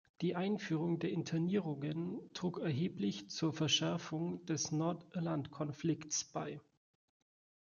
Die Einführung der Internierungen trug erheblich zur Verschärfung des Nordirlandkonflikts bei.